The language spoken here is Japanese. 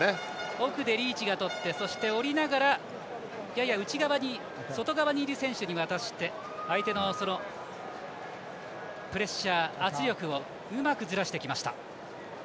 奥でリーチがとって下りながらやや外側にいる選手に渡して相手のプレッシャー、圧力をうまくずらしてきました。